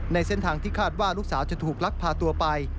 ในเส้นทางที่คาดว่าลูกสาวจะถูกลักพาตัวไป